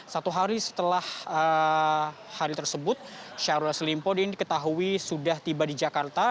satu hari setelah hari tersebut syahrul yassin limpo ini diketahui sudah tiba di jakarta